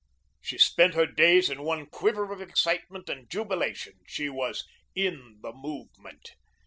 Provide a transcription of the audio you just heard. She spent her days in one quiver of excitement and jubilation. She was "in the movement."